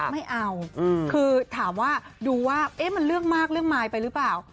ไม่เอาคือถามว่าดูว่ามันเรื่องมากเรื่องมายไปหรือเปล่า